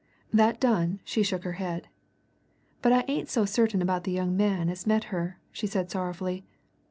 That done, she shook her head. "But I ain't so certain about the young man as met her," she said sorrowfully.